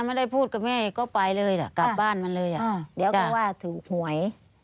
ไม่ได้พูดกับแม่ก็ไปเลยล่ะกลับบ้านมาเลยอ่ะเดี๋ยวก็ว่าถือหวย